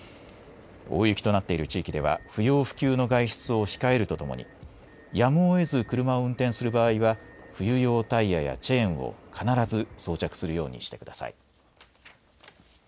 大雪となっている地域では不要不急の外出を控えるとともにやむをえず車を運転する場合は冬用タイヤやチェーンを必ず装着するようにしてください。